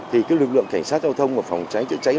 thì lực lượng cảnh sát giao thông và phòng cháy